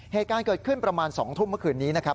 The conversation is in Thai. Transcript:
เหตุการณ์เกิดขึ้นประมาณ๒ทุ่มเมื่อคืนนี้นะครับ